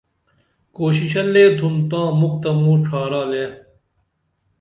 کوششہ لے تُھن تاں مُکھ تہ موں ڇھارالے